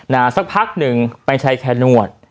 น่าสักพักหนึ่งไปใช้แคลร์นวด